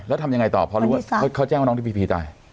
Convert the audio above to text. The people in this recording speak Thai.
แล้วทำยังไงต่อเพราะเขาแจ้งว่าน้องพี่พีมตาย